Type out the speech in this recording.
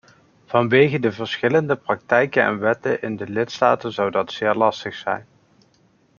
Vanwege de verschillende praktijken en wetten in de lidstaten zou dat zeer lastig zijn.